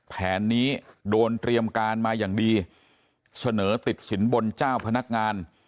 แผนนี้โดนเตรียมการมาอย่างดีเสนอติดสินบนเจ้าพนักงาน